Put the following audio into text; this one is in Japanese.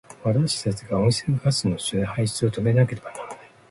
私たちは温室効果ガスの排出を止めなければならない。